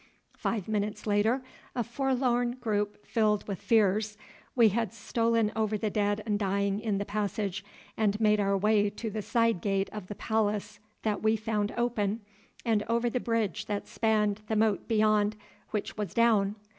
Five minutes later, a forlorn group filled with fears, we had stolen over the dead and dying in the passage, and made our way to the side gate of the palace that we found open, and over the bridge that spanned the moat beyond, which was down.